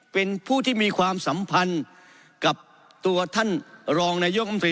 เป็นผู้ที่มีความสัมพันธ์กับตัวท่านรองนายกรรมตรี